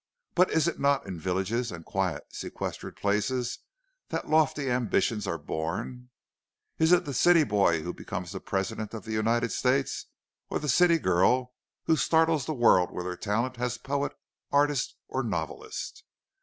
But is it not in villages and quiet sequestered places that lofty ambitions are born? Is it the city boy who becomes the President of our United States, or the city girl who startles the world with her talent as poet, artist, or novelist?